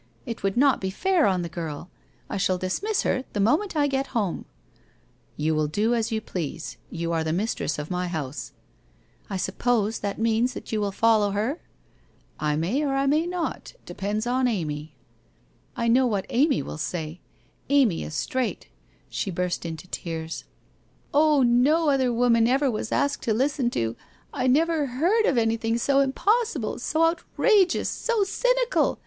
It would not be fair on the girl. I shall dismiss her the moment I get home/ ' You will do as you please. You are the mistress of my house/ ' I suppose that means that you will follow her ?'' I may or I may not. It depends on Amy.' ' I know what Amy will say. Amy is straight/ She WHITE ROSE OF WEAHY LEAP 221 burst into tear*?. ' Oh, uo other woman ever was asked to listen to — I never heard of anything so impossible, so outrageous, so cynical